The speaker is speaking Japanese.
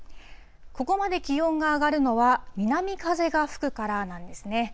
ここまで気温が上がるのは、南風が吹くからなんですね。